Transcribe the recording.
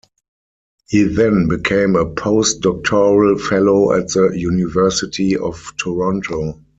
He then became a post-doctoral fellow at the University of Toronto.